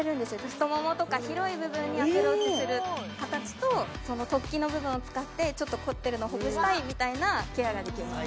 太ももとか広い部分にアプローチする形とその突起の部分を使ってちょっと凝ってるのをほぐしたいみたいなケアができます